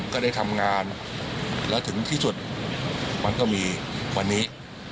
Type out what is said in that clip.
ก็ได้ทำงานแล้วถึงที่สุดมันก็มีวันนี้